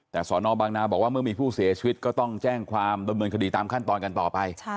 แต่สอนอบางนาบอกว่าเมื่อมีผู้เสียชีวิตก็ต้องแจ้งความดำเนินคดีตามขั้นตอนกันต่อไป